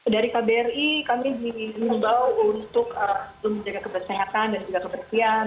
dari kbri kami dihimbau untuk menjaga kebersihatan dan juga kebersihan